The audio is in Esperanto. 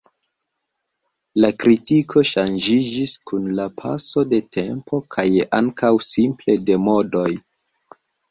La kritiko ŝanĝiĝis kun la paso de tempo kaj ankaŭ simple de modoj.